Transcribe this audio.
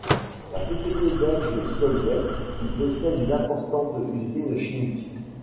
La société belge Solvay y possède une importante usine chimique.